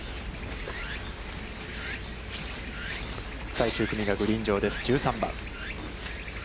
最終組がグリーン上です、１３番。